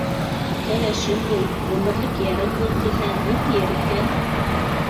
«Кәләшем бул, ғүмерлек йәрем бул!» - тиһә, ни тиер икән?